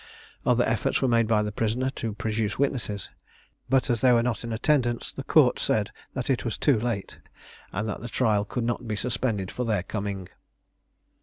Other efforts were made by the prisoner to produce witnesses, but as they were not in attendance, the court said that it was too late, and that the trial could not be suspended for their coming.